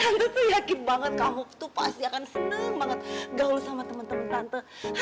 tante tuh yakin banget kamu tuh pasti akan seneng banget gaul sama temen temen tante